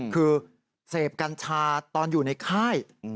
คือเสพกัญชาตอนอยู่ในค่าย